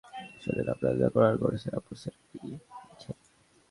শোনেন, আপনার যা করার করেছে, আপোসের কি আছে?